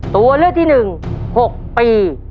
ตัวเลือดที่หนึ่ง๖ปี